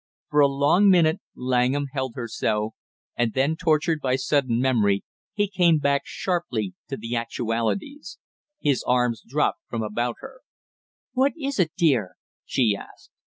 For a long minute Langham held her so, and then tortured by sudden memory he came back sharply to the actualities. His arms dropped from about her. "What is it, dear?" she asked.